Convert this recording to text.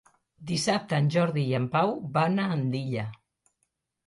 Dissabte en Jordi i en Pau van a Andilla.